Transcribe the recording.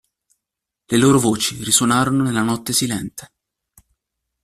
Le loro voci risuonarono nella notte silente.